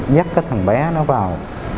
dắt cái thằng bé nó vào